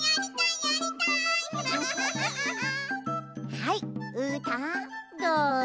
はいうーたんどうぞ。